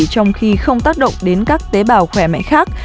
trong khi không tác động đến các tế bào khỏe mạnh khác